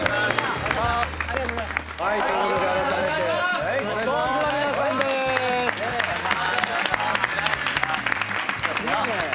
お願いします。